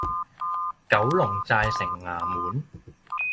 九龍寨城衙門